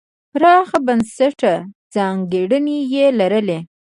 پراخ بنسټه ځانګړنې یې لرلې.